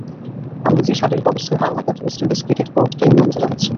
আমি নিজের শারীরিক অবস্থার হালনাগাদ ওয়েস্ট ইন্ডিজ ক্রিকেট বোর্ডকে নিয়মিত জানাচ্ছি।